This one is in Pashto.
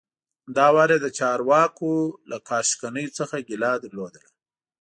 دا وار یې د چارواکو له کار شکنیو څخه ګیله درلوده.